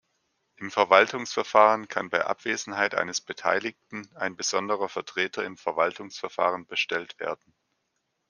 Im Verwaltungsverfahren kann bei Abwesenheit eines Beteiligten ein besonderer Vertreter im Verwaltungsverfahren bestellt werden.